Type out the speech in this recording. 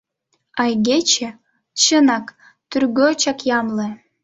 А игече, чынак, тӱргочак ямле.